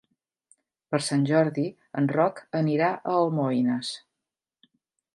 Per Sant Jordi en Roc anirà a Almoines.